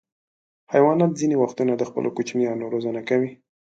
حیوانات ځینې وختونه د خپلو کوچنیانو روزنه کوي.